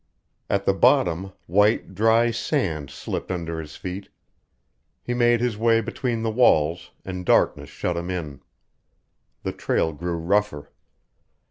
At the bottom white, dry sand slipped under his feet. He made his way between the walls, and darkness shut him in. The trail grew rougher.